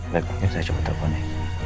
baik pak saya coba telepon ya